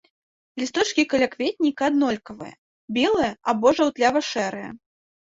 Лісточкі калякветніка аднолькавыя, белыя або жаўтлява-шэрыя.